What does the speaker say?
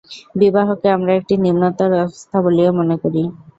বিবাহকে আমরা একটি নিম্নতর অবস্থা বলিয়া মনে করি।